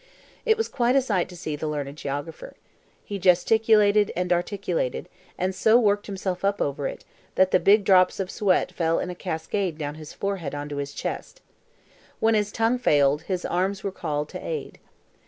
It was quite a sight to see the learned geographer. He gesticulated and articulated, and so worked himself up over it, that the big drops of sweat fell in a cascade down his forehead on to his chest. When his tongue failed, his arms were called to aid.